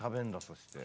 そして。